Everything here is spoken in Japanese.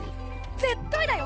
⁉絶対だよ